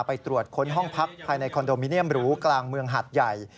ไปตรวจค้นห้องพักภายในคอนโดมิเนียมหรูกลางเมืองหัดใหญ่